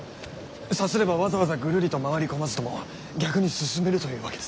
さすればわざわざぐるりと回り込まずとも逆に進めるというわけですね。